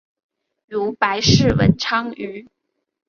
如白氏文昌鱼。